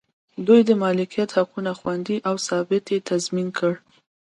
دوی د مالکیت حقونه خوندي او ثبات یې تضمین کړ.